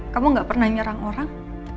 kamu gak pernah nyerang orang